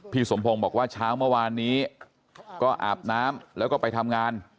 สมพงศ์บอกว่าเช้าเมื่อวานนี้ก็อาบน้ำแล้วก็ไปทำงาน